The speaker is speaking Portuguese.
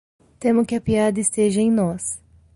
Temo que a piada esteja em nós.